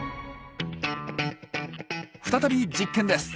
再び実験です。